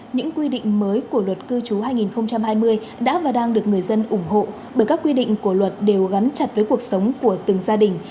những quy định mới của luật cư trú hai nghìn hai mươi đã và đang được người dân ủng hộ bởi các quy định của luật đều gắn chặt với cuộc sống của từng gia đình